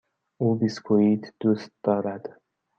او بیسکوییت دوست دارد.